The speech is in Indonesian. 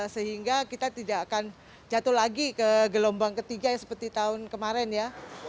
sehingga kita tidak akan jatuh lagi ke gelombang ketiga seperti tahun kemarin ya